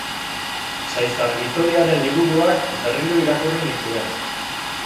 Saizarbitoriaren liburuak berriro irakurri nituen.